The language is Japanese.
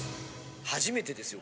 初めてですよ。